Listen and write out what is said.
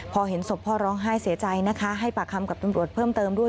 พอเห็นศพพ่อร้องไห้เสียใจนะคะให้ปากคำกับตำรวจเพิ่มเติมด้วย